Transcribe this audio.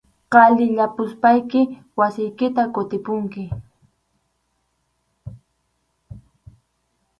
Qhaliyapuspayki wasiykita kutipunki.